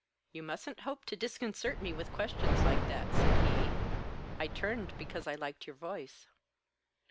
"You mustn't hope to disconcert me with questions like that," said he. "I turned because I liked your voice."